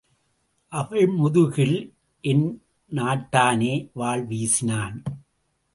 அவள் முதுகில் என் நாட்டானே வாள் வீசினான்.